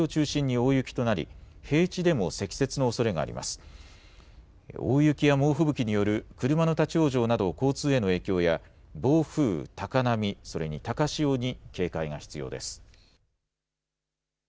大雪や猛吹雪による車の立往生など交通への影響や、暴風、高波、それに高潮に警戒が必要です。